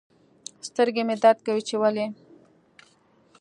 سترګي مي درد کوي چي ولي